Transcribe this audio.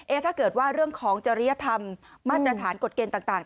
ถ้าเกิดว่าเรื่องของจริยธรรมมาตรฐานกฎเกณฑ์ต่าง